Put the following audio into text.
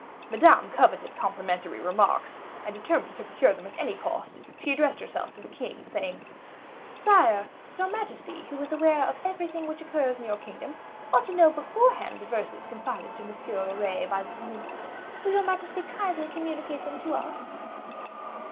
Madame coveted complimentary remarks, and, determined to procure them at any cost, she addressed herself to the king, saying: "Sire, your majesty, who is aware of everything which occurs in your kingdom, ought to know beforehand the verses confided to M. Loret by this nymph; will your majesty kindly communicate them to us?"